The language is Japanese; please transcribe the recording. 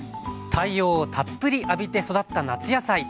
太陽をたっぷり浴びて育った夏野菜。